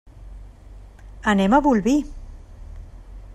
Anem a Bolvir.